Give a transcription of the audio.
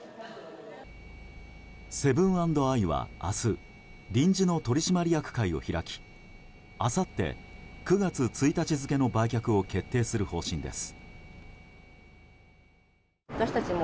セブン＆アイは明日臨時の取締役会を開きあさって９月１日付の売却を決定する方針です。